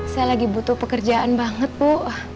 saya lagi butuh pekerjaan banget bu